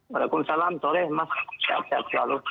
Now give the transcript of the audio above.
waalaikumsalam sore mas sehat sehat selalu